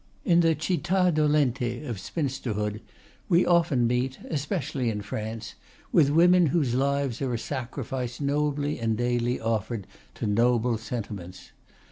In the "citta dolente" of spinsterhood we often meet, especially in France, with women whose lives are a sacrifice nobly and daily offered to noble sentiments.